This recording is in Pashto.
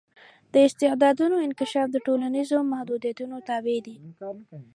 د استعدادونو انکشاف د ټولنیزو محدودیتونو تابع دی.